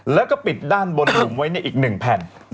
แล้วก็ปิดด้านบนหลุมไว้อีก๑แผ่น